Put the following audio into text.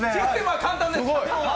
簡単です。